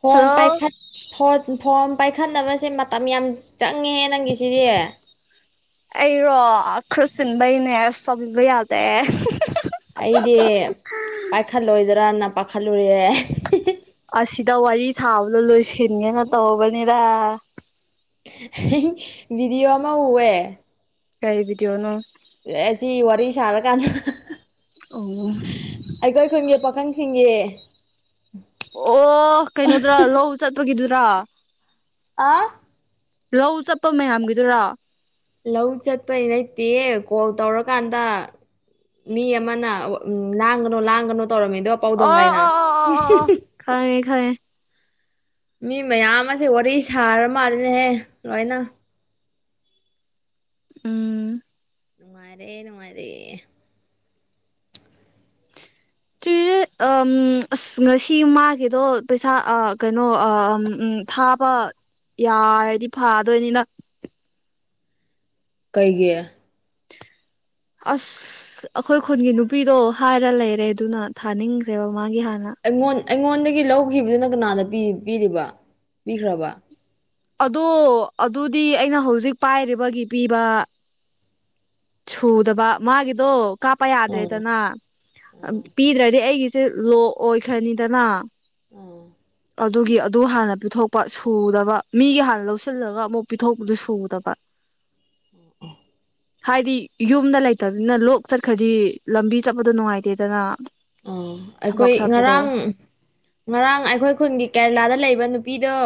Phone hello ꯄꯥꯏꯈꯠ phone phone ꯄꯥꯏꯈꯠꯅꯕꯖꯦ ꯃꯇꯝ ꯌꯥꯝ ꯆꯪꯉꯦ ꯅꯪꯒꯤꯁꯤꯗꯤ ꯑꯩꯔꯣ ꯈ꯭ꯔꯥ ꯆꯤꯟꯕꯩꯅꯦ ꯁꯥꯎꯕꯤꯕ ꯌꯥꯗꯦ [unintelligible] ꯑꯩꯗꯤ ꯄꯥꯏꯈꯠ ꯂꯣꯏꯗ꯭ꯔꯅ ꯄꯥꯈꯠꯂꯨꯔꯦ ꯑꯁꯤꯗ ꯋꯥꯔꯤ ꯁꯥꯕꯗꯣ ꯂꯣꯏꯁꯤꯟꯒꯦꯅ ꯇꯧꯕꯩꯅꯤꯗ [unintelligible] ꯕꯤꯗꯤꯑꯣ ꯑꯃꯥ ꯎꯋꯦ ꯀꯩ ꯕꯤꯗꯤꯑꯣꯅꯣ ꯑꯦ ꯑꯁꯤ ꯋꯥꯔꯤ ꯁꯥꯔꯀꯥꯟꯗ ꯑꯧ ꯑꯩꯈꯣꯏ ꯈꯨꯟꯒꯤ ꯄꯥꯈꯪꯁꯤꯡꯒꯤ ꯑꯣ ꯀꯩꯅꯣꯗꯨꯔ ꯂꯧ ꯆꯠꯄꯒꯤꯗꯨꯔ ꯑꯥ ꯂꯧ ꯆꯠꯄ ꯃꯌꯥꯝꯒꯤꯗꯨꯔ ꯂꯧ ꯆꯠꯄꯩ ꯅꯠꯇꯦꯌꯦ ꯀꯣꯜ ꯇꯧꯔꯀꯥꯟꯗ ꯃꯤ ꯑꯃꯥꯅ ꯑꯝ ꯂꯥꯡꯒꯅꯣ ꯂꯥꯡꯒꯅꯣ ꯇꯧꯔꯝꯃꯤꯗꯣ ꯄꯥꯎꯗꯣꯡꯉꯩꯅ ꯈꯉꯤ ꯈꯌꯦ ꯃꯤ ꯃꯌꯥꯝ ꯃꯁꯦ ꯋꯥꯔꯤ ꯁꯥꯔ ꯃꯥꯜꯂꯦꯍꯦ ꯂꯣꯏꯅ ꯎꯝ ꯅꯨꯡꯉꯥꯏꯔꯦ ꯅꯨꯡꯉꯥꯏꯔꯦ ꯆꯨꯔꯦ [unintelligible] ꯑꯝ ꯑꯁ ꯉꯁꯤ ꯃꯥꯒꯤꯗꯣ ꯄꯩꯁꯥ ꯑ ꯀꯩꯅꯣ ꯑ ꯑꯝ ꯎꯝ ꯊꯥꯕ ꯌꯥ ꯔꯗꯤ ꯐꯥꯗꯣꯏꯅꯤꯅ ꯀꯩꯒꯤ ꯑꯁ ꯑꯈꯣꯏ ꯈꯨꯟꯒꯤ ꯅꯨꯄꯤꯗꯣ ꯍꯥꯏꯔ ꯂꯩꯔꯦ ꯗꯨꯅ ꯊꯥꯅꯤꯡꯈ꯭ꯔꯦꯕ ꯃꯥꯒꯤ ꯍꯥꯟꯅ ꯑꯩꯉꯣꯟ ꯑꯩꯉꯣꯟꯗꯒꯤ ꯂꯧꯈꯤꯕꯗꯨꯅ ꯀꯅꯥꯗ ꯄꯤ ꯄꯤꯔꯤꯕ ꯄꯤꯈ꯭ꯔꯕ ꯑꯗꯣ ꯑꯗꯨꯗꯤ ꯑꯩꯅ ꯍꯧꯖꯤꯛ ꯄꯥꯏꯔꯤꯕꯒꯤ ꯄꯤꯕ ꯁꯨꯗꯕ ꯃꯥꯒꯤꯗꯣ ꯀꯥꯞꯄ ꯑꯥ ꯌꯥꯗ꯭ꯔꯦꯗꯅ ꯑꯞ ꯑꯥ ꯄꯤꯗ꯭ꯔꯗꯤ ꯑꯩꯒꯤꯁꯦ ꯂꯣ ꯑꯣꯏꯈ꯭ꯔꯅꯤꯗꯅ ꯑꯥ ꯑꯗꯨꯒꯤ ꯑꯗꯨ ꯍꯥꯟꯅ ꯄꯤꯊꯣꯛꯄ ꯁꯨꯗꯕ ꯃꯤꯒꯤ ꯍꯥꯟꯅ ꯂꯧꯁꯤꯜꯂꯒ ꯑꯃꯨꯛ ꯄꯤꯊꯣꯛꯄꯗꯨ ꯁꯨꯗꯕ ꯑꯣ ꯑꯣ ꯍꯥꯏꯗꯤ ꯌꯨꯝꯗ ꯂꯩꯇꯕꯅꯤꯅ ꯂꯣꯛ ꯆꯠꯈ꯭ꯔꯗꯤ ꯂꯝꯕꯤ ꯆꯞꯄꯗꯣ ꯅꯨꯉꯥꯏꯇꯦꯗꯅ ꯑ ꯑꯩꯈꯣꯏ ꯉꯔꯥꯡ ꯉꯔꯥꯡ ꯑꯩꯈꯣꯏ ꯈꯨꯟꯒꯤ ꯀꯦꯔꯂꯥꯗ ꯂꯩꯕ ꯅꯨꯄꯤꯗꯣ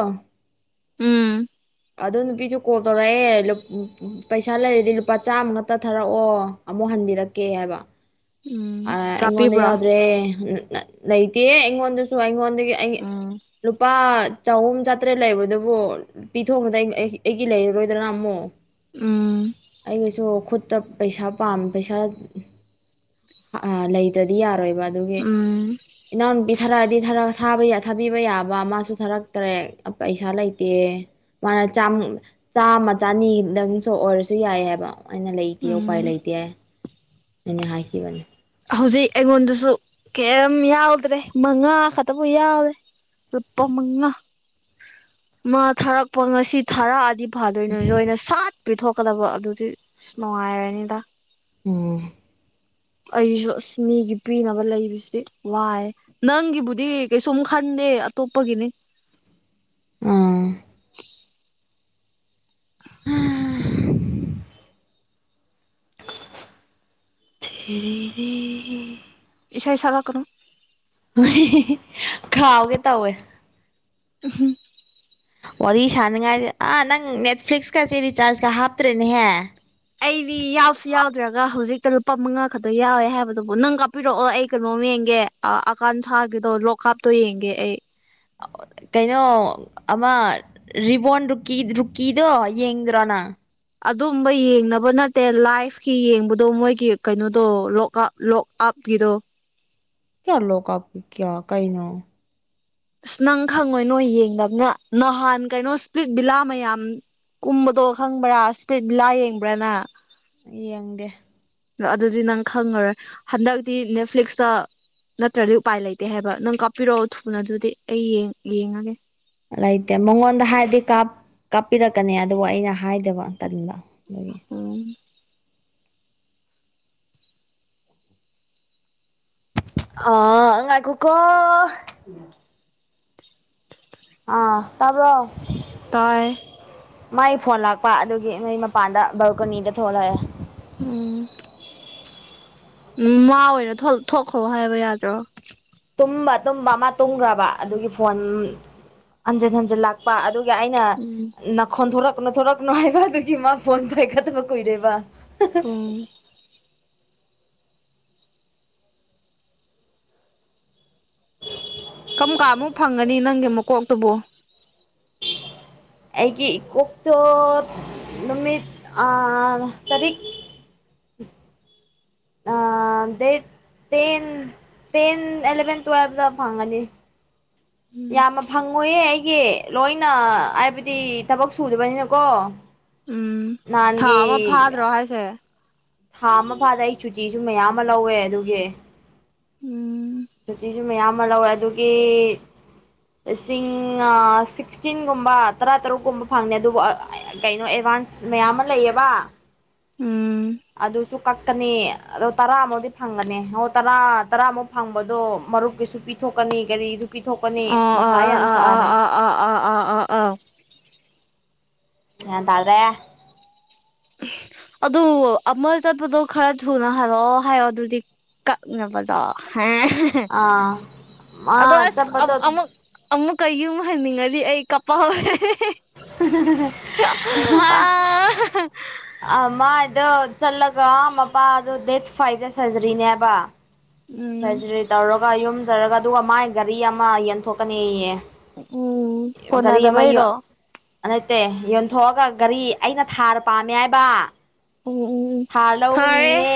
ꯎꯝ ꯑꯗꯨ ꯅꯨꯄꯤꯖꯨ ꯀꯣꯜ ꯇꯧꯔꯑꯦ ꯂꯨꯞ ꯎꯞ ꯎꯝ ꯄꯩꯁꯥ ꯂꯩꯔꯗꯤ ꯂꯨꯄꯥ ꯆꯥꯝꯃ ꯉꯠꯇ ꯊꯥꯔꯑꯣ ꯑꯃꯨꯛ ꯍꯟꯕꯤꯔꯛꯀꯦ ꯍꯥꯏꯕ ꯎꯝ ꯑ ꯑꯩꯉꯣꯟꯗ ꯀꯥꯞꯄꯤꯕ꯭ꯔꯣ ꯌꯥꯎꯗ꯭ꯔꯦ ꯅꯠ ꯂꯩꯇꯤꯌꯦ ꯑꯩꯉꯣꯟꯗꯁꯨ ꯑꯩꯉꯣꯟꯗꯩ ꯑꯩ ꯎꯝ ꯂꯨꯄꯥꯠ ꯆꯍꯨꯝ ꯆꯥꯇ꯭ꯔꯦꯠ ꯂꯩꯕꯗꯨꯕꯨ ꯄꯤꯊꯣꯛꯈ꯭ꯔꯖꯩꯟ ꯑꯩꯒꯤ ꯑꯩꯒꯤ ꯂꯩꯔꯔꯣꯏꯗ꯭ꯔ ꯑꯃꯣ ꯎꯝ ꯑꯩꯒꯁꯨ ꯈꯨꯠꯇ ꯄꯩꯁꯥ ꯄꯥꯝ ꯄꯩꯁꯥ ꯍꯥꯑꯥ ꯂꯩꯇ꯭ꯔꯗꯤ ꯌꯥꯔꯣꯏꯕ ꯑꯗꯨꯒꯤ ꯎꯝ ꯏꯅꯥꯎꯅꯨꯄꯤ ꯊꯔꯛꯑꯗꯤ ꯊꯔ ꯥ ꯊꯥꯕ ꯌꯥ ꯊꯥꯕꯤꯕ ꯌꯥꯕ ꯃꯥꯁꯨ ꯊꯥꯔꯛꯇ꯭ꯔꯦ ꯑꯞ ꯄꯩꯁꯥ ꯂꯩꯇꯤꯌꯦ ꯃꯥꯅ ꯆꯥꯝ ꯆꯥꯝꯃ ꯆꯅꯤ ꯗꯪꯁꯨ ꯑꯣꯏꯔꯁꯨ ꯌꯥꯏ ꯍꯥꯏꯕ ꯑꯩꯅ ꯂꯩꯇꯦ ꯎꯄꯥꯏ ꯎꯝ ꯂꯩꯇꯦ ꯑꯩꯅ ꯍꯥꯏꯈꯤꯕꯅꯤ ꯍꯧꯖꯤꯛ ꯑꯩꯉꯣꯟꯗꯁꯨ ꯀꯩꯝ ꯌꯥꯎꯗ꯭ꯔꯦ ꯃꯉꯥ ꯈꯠꯇꯕꯨ ꯌꯥꯎꯋꯦ ꯂꯨꯄꯥ ꯃꯉꯥ ꯃꯥ ꯊꯥꯔꯛꯄ ꯉꯁꯤ ꯊꯥꯔꯑꯗꯤ ꯐꯥꯗꯣꯏꯅꯣ ꯂꯣꯏꯅ ꯁꯠ ꯄꯤꯊꯣꯛꯀꯗꯕ ꯑꯗꯨꯗꯤ ꯅꯨꯉꯥꯏꯔꯅꯤꯗ ꯎꯝ ꯑꯩꯖꯨ ꯑꯁ ꯃꯤꯒꯤ ꯄꯤꯅꯕ ꯂꯩꯕꯁꯤ ꯋꯥꯏ ꯅꯪꯒꯤꯕꯨꯗꯤ ꯀꯩꯁꯨꯝ ꯈꯟꯗꯦ ꯑꯇꯣꯞꯄꯒꯤꯅꯤ ꯎꯝ ꯊꯤꯔꯤꯔꯤ ꯏꯁꯩꯥ ꯁꯛꯂꯛꯀꯅꯨ ꯈꯥꯎꯒꯦ ꯇꯧꯋꯦ [unintelligible] ꯋꯥꯔꯤ ꯁꯥꯅꯉꯥꯏꯖꯦ ꯑꯥ ꯅꯪ ꯅꯦꯠꯐ꯭ꯂꯤꯛꯁꯀꯁꯦ ꯔꯤꯆꯥꯔꯖꯀ ꯍꯥꯞꯇ꯭ꯔꯦꯅꯦꯍꯦ ꯑꯩꯗꯤ ꯌꯥꯎꯁꯨ ꯌꯥꯎꯗ꯭ꯔꯒ ꯍꯧꯖꯤꯛꯇ ꯂꯨꯄꯥ ꯃꯉꯥ ꯈꯠꯇ ꯌꯥꯎꯋꯦ ꯍꯥꯏꯕꯗꯨꯕꯨ ꯅꯪ ꯀꯞ ꯄꯤꯔꯣꯑꯣ ꯑꯩ ꯀꯩꯅꯣꯝ ꯌꯦꯡꯒꯦ ꯑꯥ ꯑꯀꯥꯟꯊꯥꯒꯤꯗꯣ ꯂꯣꯛ ꯀꯥꯞꯇꯣ ꯌꯦꯡꯒꯦ ꯑꯩ ꯀꯩꯅꯣ ꯑꯃ ꯔꯤꯕꯣꯔꯟ ꯔꯨꯀꯤ ꯗꯔꯨꯀꯤꯗꯣ ꯌꯦꯡꯗ꯭ꯔꯣꯅ ꯑꯗꯨꯝꯕ ꯌꯦꯡꯅꯕ ꯅꯠꯇꯦ ꯂꯥꯏꯐꯀꯤ ꯌꯦꯡꯕꯗꯣ ꯃꯣꯏꯒꯤ ꯀꯩꯅꯣꯗꯣ ꯂꯣꯛꯑꯞ ꯂꯣꯛꯑꯞꯒꯤꯗꯣ ꯀꯌꯥꯂꯣ ꯀꯞ [unintelligible] ꯀꯌꯥ ꯀꯩꯅꯣ ꯑꯁ ꯅꯪ ꯈꯪꯉꯣꯏ ꯅꯣꯢ ꯌꯦꯡꯗꯕꯅꯤꯅ ꯅꯍꯥꯟ ꯀꯩꯅꯣ ꯏꯁꯄꯤ꯭ꯛ ꯕꯤꯂꯥ ꯃꯌꯥꯝ ꯀꯨꯝꯕꯗꯣ ꯈꯪꯕ꯭ꯔꯥ ꯏꯁꯄꯤꯠ ꯕꯤꯂꯥ ꯌꯦꯡꯕ꯭ꯔꯥ ꯅꯪ ꯌꯦꯡꯗꯦ ꯑꯗꯨꯗꯤ ꯅꯪ ꯈꯪꯉꯔꯣꯏ ꯍꯟꯗꯛꯇꯤ ꯅꯦꯠꯐ꯭ꯂꯤꯛꯁꯇ ꯅꯠꯇ꯭ꯔꯗꯤ ꯎꯄꯥꯏ ꯂꯩꯇꯦ ꯍꯥꯏꯕ ꯅꯪ ꯀꯥꯞꯄꯤꯔꯛꯑꯣ ꯊꯨꯅ ꯑꯗꯨꯗꯤ ꯑꯩ ꯌꯦꯡꯉꯒꯦ ꯂꯩꯇꯦ ꯃꯉꯣꯟꯗ ꯍꯥꯏꯔꯗꯤ ꯀꯥꯞꯄꯤꯔꯛꯀꯅꯤ ꯑꯗꯨꯕꯨ ꯑꯩꯅ ꯍꯥꯏꯗꯕ ꯇꯟꯕ ꯑꯗꯨꯒꯤ ꯎꯝ ꯑꯥ ꯉꯥꯏꯈꯣꯀꯣ ꯑꯥ ꯇꯥꯕ꯭ꯔꯣ ꯇꯥꯏ ꯃꯥꯏ ꯐꯣꯟ ꯂꯥꯛꯄ ꯑꯗꯨꯒꯤ ꯅꯣꯏ ꯃꯄꯥꯟꯗ ꯕꯔꯀꯣꯅꯤꯗ ꯊꯣꯛꯂꯛꯑꯦ ꯎꯝ ꯎꯝ ꯃꯥ ꯑꯣꯢꯅ ꯊꯣꯛꯈ꯭ꯔꯣ ꯍꯥꯏꯕ ꯌꯥꯗ꯭ꯔꯣ ꯇꯨꯝꯕ ꯇꯨꯝꯕ ꯑꯃ ꯇꯨꯝꯈ꯭ꯔꯕ ꯑꯗꯨꯒꯤ ꯐꯣꯟ ꯍꯟꯖꯤꯟ ꯍꯟꯖꯤꯟ ꯂꯥꯛ ꯑꯗꯨꯒ ꯑꯩꯅ ꯎꯝ ꯈꯣꯟꯊꯣꯔꯛꯅꯣ ꯊꯣꯔꯛꯅꯣ ꯍꯥꯏꯕ ꯑꯗꯨꯒꯤ ꯃꯥ ꯐꯣꯟ ꯄꯥꯏꯈꯠꯗꯕ ꯀꯨꯏꯔꯦꯕ ꯎꯝ ꯀꯔꯝ ꯀꯥꯟꯗ ꯃꯨꯛ ꯐꯪꯒꯅꯤ ꯅꯪꯒꯤ ꯃꯀꯣꯛꯇꯨꯕꯨ ꯑꯩꯒꯤ ꯣꯀꯣꯛꯇꯣ ꯑꯥ ꯅꯨꯃꯤꯠ ꯇꯔꯤꯛ ꯗꯦꯠ ꯇꯦꯟ ꯇꯦꯟ ꯑꯦꯂꯚꯦꯟ ꯇꯨꯋꯦꯜꯕꯇ ꯐꯪꯉꯅꯤ ꯎꯝ ꯌꯥꯝꯅ ꯐꯪꯉꯣꯏꯌꯦ ꯑꯩꯒꯤ ꯂꯣꯏꯅ ꯍꯥꯏꯕꯗꯤ ꯊꯕꯛ ꯁꯨꯗꯕꯅꯤꯅꯀꯣ ꯅꯍꯥꯟꯒꯤ ꯑꯁꯦ [unintelligible] ꯊꯥ ꯑꯃ ꯐꯥꯗꯦ ꯑꯩ ꯆꯨꯇꯤꯁꯨ ꯃꯌꯥꯝ ꯑꯃ ꯂꯧꯋꯦ ꯑꯗꯨꯒꯤ ꯎꯝ ꯁꯤ ꯃꯌꯥꯝ ꯑꯃ ꯂꯧꯋꯦ ꯑꯗꯨꯒꯤ ꯂꯤꯁꯤꯡ ꯁꯤꯛꯁꯇꯤꯟꯒꯨꯝꯕ ꯇꯔꯥ ꯇꯔꯨꯛꯀꯨꯝꯕ ꯐꯪꯅꯤ ꯑꯗꯨꯕꯨ ꯀꯩꯅꯣ ꯑꯦꯗꯚꯥꯟꯁ ꯃꯌꯥꯝ ꯑꯃ ꯂꯩꯌꯦꯕ ꯎꯝ ꯑꯗꯨꯁꯨ ꯀꯛꯀꯅꯤ ꯑꯗꯣ ꯇꯔꯥꯃꯨꯛꯗꯤ ꯐꯪꯒꯅꯤ ꯑꯣ ꯇꯔꯥ ꯇꯔꯥꯃꯨꯛ ꯐꯪꯕꯗꯣ ꯃꯔꯨꯞꯀꯤꯁꯨ ꯄꯤꯊꯣꯛꯀꯅꯤ ꯀꯒꯥꯔꯤꯁꯨ ꯄꯤꯊꯣꯛꯀꯅꯤ ꯑꯣ ꯃꯊꯥ ꯑꯥ ꯌꯥꯝ ꯑꯥ ꯁꯥꯔꯦ ꯑꯥ ꯑꯥ ꯑꯥ ꯑꯥ ꯑꯥ ꯒ꯭ꯌꯥꯟ ꯇꯥꯗ꯭ꯔꯦ ꯑꯗꯨ ꯑꯃ ꯆꯠꯄꯗꯣ ꯈꯔ ꯊꯨꯅ ꯍꯜꯂꯛꯑꯣ ꯍꯥꯏꯌꯣ ꯑꯗꯨꯗꯤ ꯀꯥꯛꯅꯕꯗꯣ ꯑꯥ ꯃꯥ ꯑꯗꯣ ꯑꯁ ꯆꯠꯄꯗꯣ ꯑꯃꯨꯛ ꯑꯃꯨꯛꯀ ꯌꯨꯝ ꯍꯟꯅꯤꯡꯉꯗꯤ ꯑꯩ ꯀꯣꯄꯥꯜꯅꯦ ꯑ [unintelligible] ꯑ ꯃꯥꯏꯗꯣ ꯆꯠꯂꯒ ꯃꯄꯥꯗꯣ ꯗꯦꯠ ꯐꯥꯏꯚꯇ ꯁꯔꯖꯔꯤꯅꯦꯕ ꯎꯝ ꯁꯔꯖꯔꯤ ꯇꯧꯔꯒ ꯌꯨꯝꯗ ꯂꯩꯔꯛ ꯑꯗꯨꯒ ꯃꯥꯏ ꯒꯥꯔꯤ ꯑꯃ ꯌꯦꯟꯊꯣꯛꯀꯅꯤꯌꯦ ꯎꯝ ꯒꯔꯤ ꯑꯃ ꯌꯣꯟ ꯀꯣꯟꯅꯗꯕꯩꯔꯣ ꯅꯠꯇꯦ ꯌꯣꯟꯊꯣꯛꯑꯒ ꯒꯥꯔꯤ ꯑꯩꯅ ꯊꯥꯔ ꯄꯥꯝꯃꯦ ꯍꯥꯏꯕ꯫ ꯎꯝ ꯎꯝ ꯎꯝ ꯊꯥꯔ ꯐꯔꯦ ꯂꯧꯒꯅꯤꯌꯦ꯫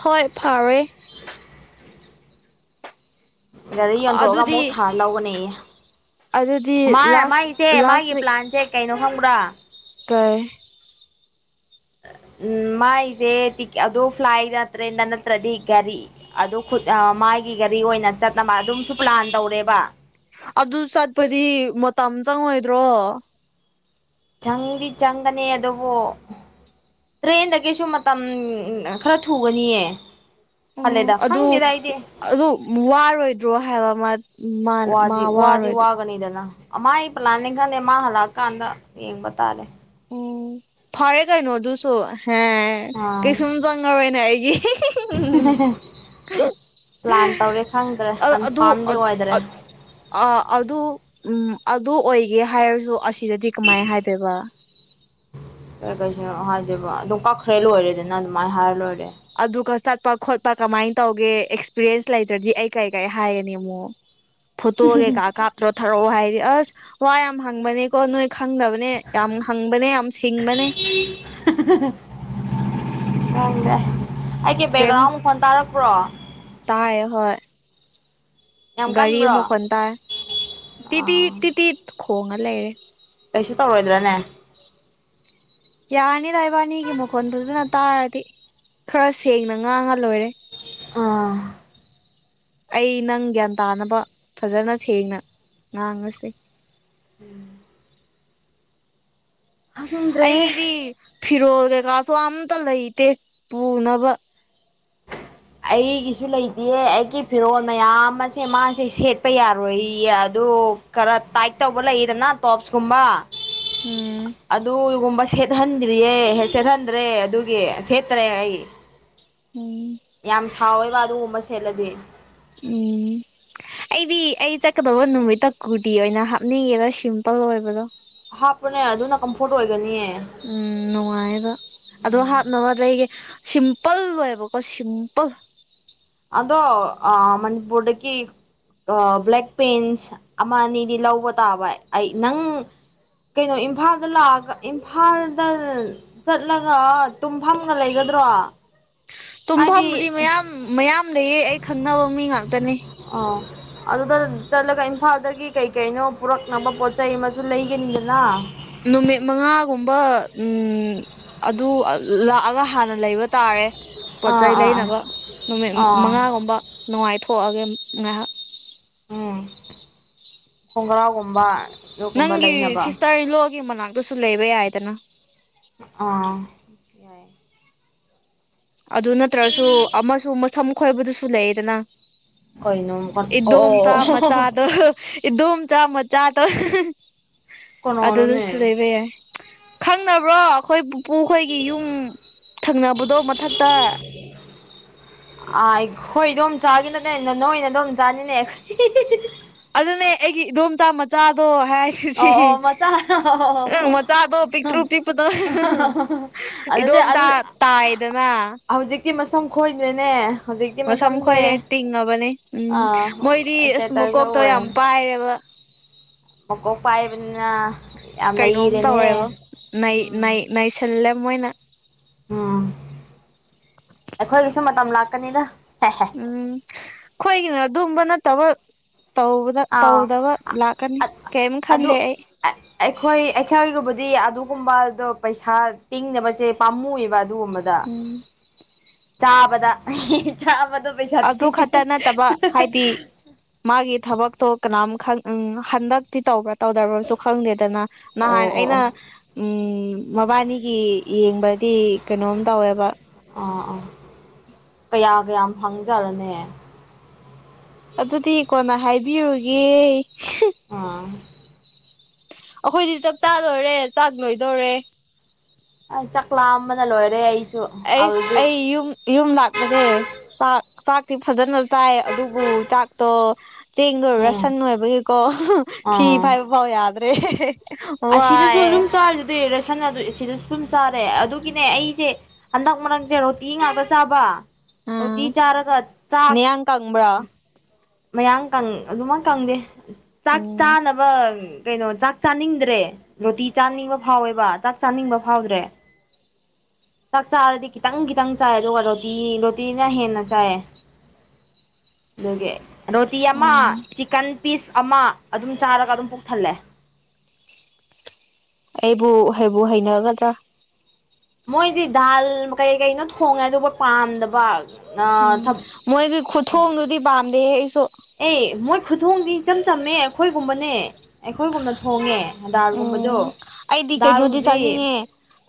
ꯍꯣꯏ ꯐꯥꯔ‌ꯦ꯫ ꯒꯥꯔꯤ ꯌꯣꯟꯊꯣꯛꯑꯒ ꯑꯗꯨꯗꯤ ꯑꯃꯨꯛ ꯊꯥꯔ ꯂꯧꯒꯅꯤꯌꯦ꯫ ꯑꯗꯨꯗꯤ ꯃꯥ ꯂꯥꯁ ꯃꯥꯏꯁꯦ ꯂꯥꯁ ꯃꯥꯒꯤ ꯋꯤꯛ ꯄ꯭ꯂꯥꯟꯁꯦ ꯀꯩꯅꯣ ꯈꯪꯕ꯭ꯔꯥ ꯀꯩ ꯎꯝ ꯃꯥꯏꯖꯦ ꯇꯤꯛ ꯑꯗꯨ ꯐ꯭ꯂꯥꯏꯗ ꯇ꯭ꯔꯦꯟꯗ ꯅꯠꯇ꯭ꯔꯗꯤ ꯒꯥꯔꯤ ꯑꯗꯨ ꯈꯨꯠ ꯑ ꯃꯥꯒꯤ ꯒꯥꯔꯤ ꯑꯣꯏꯅ ꯆꯠꯅꯕ ꯑꯗꯨꯝꯁꯨ ꯄ꯭ꯂꯥꯟ ꯇꯧꯔꯦꯕ ꯑꯗꯨ ꯆꯠꯄꯗꯤ ꯃꯇꯝ ꯆꯪꯉꯣꯏꯗ꯭ꯔꯣ ꯆꯪꯗꯤ ꯆꯪꯒꯅꯤ ꯑꯗꯨꯕꯨ ꯇ꯭ꯔꯦꯟꯗꯒꯤꯁꯨ ꯃꯇꯝ ꯈꯔ ꯊꯨꯒꯅꯤꯌ‌ꯦ ꯑꯣ ꯑꯗꯨ ꯑꯗꯨ ꯋꯥꯔꯣꯏꯗ꯭ꯔꯣ ꯍꯥꯏꯕ ꯃꯠ ꯋꯥꯗꯤ ꯋꯥꯗꯤ ꯋꯥꯒꯅꯤꯗꯅ ꯃꯥꯏ ꯄ꯭ꯂꯥꯟꯅꯤ ꯈꯪꯗꯦ ꯃꯥ ꯍꯜꯂꯛꯑꯀꯥꯟꯗ ꯌꯦꯡꯕ ꯇꯥꯔꯦ ꯎꯝ ꯐꯔꯦ ꯀꯩꯅꯣ ꯑꯗꯨꯁꯨ ꯑꯥ ꯀꯩꯁꯨꯝ ꯆꯪꯉꯔꯣꯏꯅꯦ ꯑꯩꯒꯤ ꯄ꯭ꯂꯥꯟ ꯇꯧꯔꯦ ꯈꯪꯗ꯭ꯔꯦ ꯀꯟꯐꯥꯝꯗꯤ ꯑꯣꯏꯗ꯭ꯔꯦ ꯑꯥ ꯑꯗꯨ ꯎꯝ ꯑꯗꯨ ꯑꯣꯏꯒꯦ ꯍꯥꯏꯔꯖꯨ ꯑꯁꯤꯗꯗꯤ ꯀꯃꯥꯏ ꯍꯥꯏꯗꯣꯏꯕ [inaudible] ꯑꯦ ꯀꯩꯁꯨ ꯍꯥꯏꯗꯦꯕ ꯑꯗꯨꯝ ꯀꯛꯈ꯭ꯔꯦ ꯂꯣꯏꯔꯦꯗꯅ ꯑꯗꯨꯃꯥꯏ ꯍꯥꯏꯔ ꯂꯣꯏꯔꯦ ꯑꯗꯨꯒ ꯆꯠꯄ ꯈꯣꯠꯄ ꯀꯃꯥꯏꯟ ꯇꯧꯒꯦ ꯑꯦꯛꯁꯄꯤꯔꯟꯁ ꯂꯩꯇ꯭ꯔꯗꯤ ꯑꯩ ꯀꯩ ꯀꯩ ꯍꯥꯏꯒꯅꯤ ꯑꯃꯨꯛ [inaudible] ꯐꯣꯇꯣ ꯀꯩꯀꯥ ꯀꯥꯞꯇ꯭ꯔꯣ ꯊꯥꯔꯛꯑꯣ ꯍꯥꯏꯗꯤ ꯑꯁ ꯋꯥ ꯌꯥꯝ ꯍꯪꯕꯅꯦꯀꯣ ꯅꯣꯏ ꯈꯪꯗꯕꯅꯦ ꯌꯥꯝ ꯍꯪꯕꯅꯦ ꯌꯥꯝ ꯁꯤꯡꯕꯅꯦ ꯈꯪꯗ‌ꯦ ꯑꯩꯒꯤ ꯕꯦꯛꯒ꯭ꯔꯥꯎꯟ ꯃꯈꫭꯟ ꯇꯥꯔꯛꯄ꯭ꯔꯣ ꯇꯥꯏꯌꯦ ꯍꯣꯏ ꯌꯥꯝ ꯒꯥꯔꯤ ꯀꯟꯕ꯭ꯔꯣ ꯃꯈꯣꯟ ꯇꯥꯏ ꯇꯤꯠ ꯑꯥ ꯇꯤꯠ ꯇꯤꯠ ꯇꯤꯠ ꯈꯣꯡꯉ ꯂꯩꯔꯦ ꯀꯩꯁꯨ ꯇꯧꯔꫭꯏꯗ꯭ꯔꯥꯅꯦ ꯌꯥꯔꯅꯤꯗ ꯏꯕꯥꯅꯤꯒꯤ ꯃꯈꯣꯟ ꯐꯖꯅ ꯇꯥꯔꯗꯤ ꯈꯔ ꯁꯦꯡꯅ ꯉꯥꯡꯉ ꯂꯣꯏꯔꯦ ꯑꯥ ꯑꯩ ꯅꯪ ꯒ꯭ꯌꯥꯟ ꯇꯥꯅꯕ ꯐꯖꯅ ꯁꯦꯡꯅ ꯉꯥꯡꯉꯁꯤ [unintelligible] ꯈꯪꯗ꯭ꯔꯦꯍꯦ ꯑꯩꯒꯤꯗꯤ ꯐꯤꯔꯣꯜ ꯀꯩꯀꯥꯁꯨ ꯑꯝꯇ ꯂꯩꯇꯦ ꯄꯨꯅꯕ ꯑꯩꯒꯤꯁꯨ ꯂꯩꯇꯦ ꯑꯩꯒꯤ ꯐꯤꯔꯣꯜ ꯃꯌꯥꯝ ꯑꯁꯦ ꯃꯥꯁꯦ ꯁꯦꯠꯄ ꯌꯥꯔꯣꯏꯌꯦ ꯑꯗꯨ ꯈꯔ ꯇꯥꯏꯠ ꯇꯧꯕ ꯂꯩꯌꯦꯗꯅ ꯇꯣꯞꯁꯀꯨꯝꯕ ꯎꯝ ꯑꯗꯨꯒꯨꯝꯕ ꯁ‌ꯦꯠ ꯍꯟꯗ꯭ꯔꯤꯌꯦ ꯍꯦ ꯁꯦꯠꯍꯟꯗ꯭ꯔꯦ ꯑꯗꯨꯒꯤ ꯁꯦꯠꯇ꯭ꯔꯦ ꯑꯩ ꯎꯝ ꯌꯥꯝ ꯁꯥꯎꯋꯦꯕ ꯑꯗꯨꯒꯨꯝꯕ ꯁꯦꯠꯂꯗꯤ ꯎꯝ ꯑꯩꯗꯤ ꯑꯩ ꯆꯠꯀꯗꯧꯕ ꯅꯨꯃꯤꯠꯇ ꯀꯨꯔꯇꯤ ꯑꯣꯏꯅ ꯍꯥꯞꯅꯤꯡꯉꯤꯕ ꯁꯤꯝꯄꯜ ꯑꯣꯏꯕꯗꯣ ꯍꯥꯞꯄꯨꯅꯦ ꯑꯗꯨꯅ ꯀꯝꯐꯣꯔꯠ ꯑꯣꯏꯒꯅꯤꯌꯦ ꯎꯝ ꯅꯨꯡꯉꯥꯏꯌꯦꯕ ꯑꯗꯨ ꯍꯥꯞꯅꯕ ꯂ‌ꯩꯒ‌ꯦ ꯁꯤꯝꯄꯜ ꯑꯣꯏꯕꯀꯣ ꯁꯤꯝꯄꯜ ꯑꯗꯣ ꯑꯥ ꯃꯅꯤꯄꯨꯔꯗꯀꯤ ꯕ꯭ꯂꯦꯛ ꯄꯦꯟꯁ ꯑꯃ ꯑꯅꯤꯗꯤ ꯂꯧꯕ ꯇꯥꯕ ꯑꯩ ꯅꯪ ꯀꯩꯅꯣ ꯏꯝꯐꯥꯜꯗ ꯂꯥꯛꯑꯒ ꯏꯝꯐꯥꯜꯗꯟ ꯆꯠꯂꯒ ꯇꯨꯝꯐꯝꯒ ꯂꯩꯒꯗ꯭ꯔꯣ ꯇꯨꯝꯐꯝꯕꯨꯗꯤ ꯍꯥꯏꯗꯤ ꯃꯌꯥꯝ ꯃꯌꯥꯝ ꯂꯩꯌꯦ ꯑꯩ ꯈꯪꯅꯕ ꯃꯤ ꯉꯥꯛꯇꯅꯦ ꯑꯥ ꯑꯗꯨꯗ ꯆꯠꯂꯒ ꯏꯝꯐꯥꯜꯗꯒꯤ ꯀꯩ ꯀꯩꯅꯣ ꯄꯨꯔꯛꯅꯕ ꯄꯣꯠ ꯆꯩ ꯃꯖꯨ ꯂꯩꯒꯅꯤꯗꯅ ꯅꯨꯃꯤꯠ ꯃꯉꯥꯒꯨꯝꯕ ꯑꯗꯨ ꯂꯥꯛꯑꯒ ꯍꯥꯟꯅ ꯂꯩꯕ ꯇꯥꯔꯦ ꯄꯣꯠ ꯑꯥ ꯆꯩ ꯑꯥ ꯑꯥ ꯂꯩꯅꯕ ꯅꯨꯃꯤꯠ ꯑꯥ ꯃꯉꯥꯒꯨꯝꯕ ꯅꯨꯡꯉꯥꯏꯊꯣꯛꯑꯒꯦ ꯉꯥꯏꯍꯥꯛ ꯎꯝ ꯈꯣꯡꯒ꯭ꯔꯥꯎꯒꯨꯝꯕ ꯑꯗꯨꯒꯨꯝꯕ ꯅꯪꯒꯤ ꯂꯩꯅꯕ ꯁꯤꯁꯇꯔ ꯏꯂꯣꯒꯤ ꯃꯅꯥꯛꯇꯁꯨ ꯂꯩꯕ ꯌꯥꯏꯗꯅ ꯑꯥ ꯌꯥꯏ ꯑꯗꯨ ꯅꯠꯇ꯭ꯔꯁꯨ ꯑꯃꯁꯨ ꯃꯁꯝ ꯈꯣꯏꯕꯗꯨꯁꯨ ꯂꯩꯌꯦꯗꯅ ꯀꯩꯅꯣ ꯑꯣ ꯑꯣ ꯏꯗꯣꯝꯆꯥ ꯃꯆꯥ ꯗꯣ ꯏꯗꯣꯝꯆ ꯆꯥꯃꯗꯣ ꯑꯗꯨꯗꯁꯨ ꯀꯅꯥꯅꯣꯅꯦ ꯂꯩꯕ ꯌꯥ ꯈꯪꯅꯕ꯭ꯔꯣ ꯑꯈꯣꯏ ꯄꯨꯄꯨꯈꯣꯏꯒꯤ ꯌꯨꯝ ꯊꯪꯅꯕꯗꯣ ꯃꯊꯛ ꯇ ꯑꯥ ꯑꯩꯈꯣꯏꯗꯣꯝ ꯆꯥꯒꯤꯅꯅꯦ ꯅ ꯅꯣꯏ ꯅꯗꯣꯝ ꯆꯥꯅꯤꯅꯦ ꯑꯗꯨꯅꯦ ꯑꯩꯒꯤ ꯏꯗꯣꯝꯆꯥ ꯃꯆꯥꯗꯣ ꯍꯥꯏ ꯑꯣ ꯑꯣ ꯃꯆꯥ ꯃꯆꯥꯗꯣ ꯄꯤꯛꯇ꯭ꯔꯨ ꯄꯤꯄꯗꯣ ꯑꯗꯨꯗꯤ ꯑꯗꯨ ꯏꯗꯣꯝꯆꯥ ꯇꯥꯏꯗꯅ ꯍꯧꯖꯤꯛꯇꯤ ꯃꯁꯝ ꯈꯣꯏꯗ꯭ꯔꯦꯅꯦ ꯍꯧꯖꯤꯛꯇꯤ ꯃꯁꯝ ꯃꯁꯝꯖꯦ ꯈꯣꯏꯔꯦ ꯇꯤꯡꯉꯕꯅꯦ ꯎꯝ ꯑꯥ ꯑꯤꯁꯇꯦꯇꯁꯗ ꯑꯨꯏꯌꯦ ꯑꯥꯏꯔꯕ ꯃꯀꯣꯛ ꯄꯥꯏꯕꯅꯤꯅ ꯌꯥꯝ ꯅꯩ ꯀꯩꯅꯣꯝ ꯔꯦꯅꯦꯍꯦ ꯇꯧꯔꯦꯕ ꯅꯩ ꯅꯩ ꯅꯩꯁꯜꯂꯦ ꯃꯣꯏꯅ ꯎꯝ ꯑꯈꯣꯏꯒꯤꯁꯨ ꯃꯇꯝ ꯂꯥꯛꯀꯅꯤꯗ ꯍꯦ ꯍꯦ ꯎꯝ ꯈꯣꯏꯒꯤꯅ ꯑꯗꯨꯝꯕ ꯅꯠꯇꯕ ꯇꯧꯕ ꯑꯥ ꯇꯧꯗꯕ ꯂꯥꯛꯀꯅꯤ ꯀꯩꯝ ꯑꯗꯨ ꯈꯟꯗꯦ ꯑꯩ ꯑꯩꯈꯣꯏ ꯑꯩꯈꯣꯏꯒꯨꯝꯕꯗꯤ ꯑꯗꯨꯒꯨꯝꯕꯗꯣ ꯄꯩꯁꯥ ꯇꯤꯡꯅꯕꯁꯦ ꯄꯥꯝꯃꯨꯏ ꯌꯦꯕ ꯗꯨꯒꯨꯝꯕꯗ ꯎꯝ ꯆꯥꯕꯗ ꯆꯥꯕꯗꯣ ꯄꯩꯁꯥ ꯑꯗꯨ ꯊꯤꯡꯉꯦ ꯈꯛꯇ ꯅꯠꯇꯕ ꯍꯥꯏꯗꯤ ꯃꯥꯒꯤ ꯊꯕꯛꯇꯣ ꯀꯅꯥꯝ ꯈꯡ ꯎꯝ ꯍꯟꯗꯛꯇꯤ ꯇꯧꯒ ꯇꯧꯗ꯭ꯔꯕꯁꯨ ꯈꯪꯗꯦꯗꯅ ꯑꯣ ꯅꯍꯥꯟ ꯑꯣ ꯑꯩꯅ ꯑꯣ ꯎꯝ ꯃꯕꯥꯟꯅꯤꯒꯤ ꯌꯦꯡꯕꯗꯤ ꯀꯩꯅꯣꯝ ꯇꯧꯋꯦꯕ ꯑꯥ ꯑꯥ ꯀꯌꯥ ꯀꯌꯥꯝ ꯐꯪꯖꯔꯅꯦ ꯑꯗꯨꯗꯤ ꯀꯣꯟꯅ ꯍꯥꯏꯕꯤꯔꯨꯒꯦ ꯑꯥ ꯑꯈꯣꯏꯗꯤ ꯆꯥꯛ ꯆꯥ ꯂꯣꯏꯔꯦ ꯆꯥꯛ ꯂꯣꯏꯗꯣꯔꯦ ꯑ ꯆꯥꯛꯂꯥꯝꯕꯅ ꯂꯣꯏꯔꯦ ꯑꯩꯁ ꯑꯩꯁ ꯑꯩ ꯌꯨꯝ ꯏꯌꯨꯝ ꯂꯥꯛꯄꯖꯦ ꯆꯥꯛ ꯆꯥꯛꯇꯤ ꯐꯖꯅ ꯆꯥꯏ ꯑꯗꯨꯕꯨ ꯆꯥꯛꯇꯣ ꯆꯦꯡꯗꯣ ꯎꯝ ꯔꯥꯁꯟ ꯑꯣꯏꯕꯒꯤꯀꯣ ꯐꯤ ꯑꯥ ꯐꯥꯏꯕ ꯐꯥꯎ ꯌꯥꯗ꯭ꯔꯦ ꯑꯁꯤꯗꯁꯨ ꯋꯥꯏꯌꯦ ꯑꯗꯨꯝ ꯆꯥꯔꯤꯗꯨꯗꯤ ꯔꯁꯟ ꯑꯗꯨ ꯑꯤꯁꯤꯗꯁꯨ ꯑꯗꯨꯨꯝ ꯆꯥꯔꯦ ꯑꯗꯨꯒꯤꯅꯦ ꯑꯩꯁꯦ ꯍꯟꯗꯛ ꯃꯔꯛꯁꯦ ꯔꯣꯇꯤ ꯉꯥꯛꯇ ꯆꯥꯕ ꯑꯣ ꯇꯤ ꯎꯝ ꯆꯔꯒ ꯆꯥꯛ ꯅꯌꯥꯡ ꯀꯪꯕ꯭ꯔꯣ ꯃꯌꯥ ꯀꯡ ꯑꯗꯨꯃꯛ ꯀꯪꯗꯦ ꯆꯥꯛ ꯎꯝ ꯆꯥꯅ ꯕ ꯀꯩꯅꯣ ꯆꯥꯛ ꯆꯅꯤꯡ ꯔꯦ ꯔꯣꯇꯤ ꯆꯥꯅꯤꯡꯕ ꯐꯥꯎꯋꯦꯕ ꯆꯥꯛ ꯆꯥꯅꯤꯡꯕ ꯐꯥꯎꯗ꯭ꯔꯦ ꯆꯥꯛ ꯆꯥꯔꯗꯤ ꯈꯤꯇꯪ ꯈꯤꯇꯪ ꯆꯥꯏ ꯑꯗꯨꯒ ꯔꯣꯇꯤ ꯔꯣꯇꯤꯅ ꯍꯦꯟꯅ ꯆꯥꯏꯌꯦ [inaudible] ꯑꯗꯨꯒꯤ ꯔꯣꯇꯤ ꯑꯃ ꯎꯝ ꯆꯤꯀꯟ ꯄꯤꯁ ꯑꯃ ꯑꯗꯨꯝ ꯆꯥꯔꯒ ꯑꯗꯨꯝ ꯄꯨꯛ ꯊꯜꯂꯦ ꯑꯩꯕꯨ ꯍꯩꯏꯕꯨ ꯍꯩꯅꯒꯗ꯭ꯔꯥ ꯃꯣꯏꯗꯤ ꯗꯥꯜ ꯀꯩ ꯀꯩꯅꯣ ꯊꯣꯡꯉꯦ ꯑꯗꯨꯕꯨ ꯄꯥꯝꯗꯕ ꯎꯝ ꯃꯣꯏꯒꯤ ꯈꯨꯊꯣꯡꯗꯨꯗꯤ ꯄꯥꯝꯗꯦꯍꯦ ꯑꯩꯁꯨ ꯑꯦ ꯃꯣꯏ ꯈꯨꯊꯣꯡꯗꯤ ꯏꯆꯝ ꯆꯝꯃꯦ ꯑꯩꯈꯣꯏꯒꯨꯝꯕꯅꯦ ꯑꯩꯈꯣꯏꯒꯨꯝꯅ ꯊꯣꯡꯉꯦ ꯗꯥꯜ ꯒꯨꯝꯕꯗꯣ ꯎꯝ ꯗꯥꯜꯕꯨꯗꯤ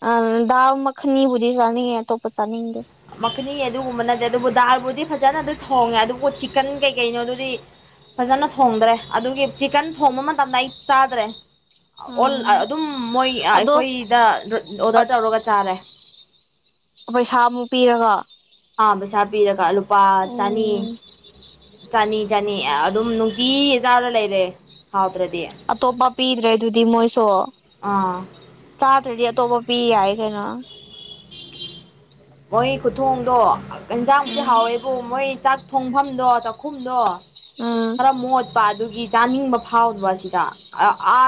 ꯑꯪ ꯗꯥꯜ ꯃꯈꯟꯅꯤꯕꯨꯗꯤ ꯆꯥꯅꯤꯡꯉꯦ ꯑꯇꯣꯞꯄ ꯆꯥꯅꯤꯡꯗꯦ ꯃꯈꯅꯤ ꯑꯗꯨꯒꯨꯝꯕ ꯅꯠꯇꯦ ꯑꯗꯨꯕꯨ ꯗꯥꯜꯕꯨꯗꯤ ꯐꯖꯅꯗꯤ ꯊꯣꯡꯉꯦ ꯑꯗꯨꯕꯨ ꯆꯤꯛꯀꯟ ꯀꯩꯀꯩꯅꯣ ꯑꯗꯨꯗꯤ ꯐꯖꯅ ꯊꯣꯡꯗ꯭ꯔꯦ ꯑꯗꯨꯒꯤ ꯆꯤꯛꯀꯟ ꯊꯣꯡꯕ ꯃꯇꯝꯗ ꯑꯩ ꯆꯥꯗ꯭ꯔꯦ ꯑꯣꯜ ꯎꯝ ꯑꯗꯨꯝ ꯃꯣꯏ ꯑꯗꯣ ꯑꯩꯈꯣꯏꯗ ꯑꯣꯗꯔ ꯇꯧꯔꯒ ꯆꯥꯔꯦ ꯄꯩꯁꯥ ꯑꯃꯨꯛ ꯄꯤꯔꯒ ꯑꯥ ꯄꯩꯁꯥ ꯄꯤꯔꯒ ꯂꯨꯄꯥ ꯆꯥꯅꯤ ꯎꯝ ꯆꯅꯤ ꯆꯅꯤ ꯑꯗꯨꯝ ꯅꯨꯡꯇꯤ ꯆꯥꯔꯒ ꯂꯩꯔꯦ ꯍꯥꯎꯇ꯭ꯔꯗꯤ ꯑꯇꯣꯞꯄ ꯄꯤꯗ꯭ꯔꯦ ꯑꯗꯨꯗꯤ ꯃꯣꯏꯁꯨ ꯑꯥ ꯆꯥꯗ꯭ꯔꯗꯤ ꯑꯇꯣꯞꯄ ꯄꯤ ꯌꯥꯏ ꯀꯩꯅꯣ ꯃꯣꯏ ꯈꯨꯊꯣꯡꯗꯣ ꯌꯦꯟꯖꯥꯡꯕꯨꯗꯤ ꯎꯝ ꯍꯥꯎꯋꯦꯕꯨ ꯃꯣꯏ ꯆꯥꯛ ꯊꯣꯡꯐꯝꯗꯣ ꯆꯥꯛꯈꯨꯝꯗꯣ ꯎꯝ ꯈꯔ ꯃꯣꯠꯄ ꯑꯗꯨꯒꯤ ꯆꯥꯅꯤꯡꯕ ꯐꯥꯎꯗꯕ ꯑꯁꯤꯗ ꯑ ꯑ